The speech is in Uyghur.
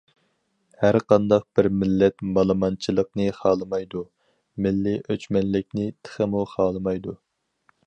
ھەر قانداق بىر مىللەت مالىمانچىلىقنى خالىمايدۇ، مىللىي ئۆچمەنلىكنى تېخىمۇ خالىمايدۇ.